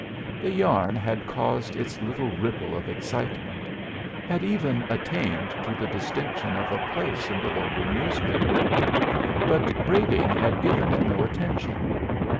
The yarn had caused its little ripple of excitement had even attained to the distinction of a place in the local newspaper; but Brading had given it no attention.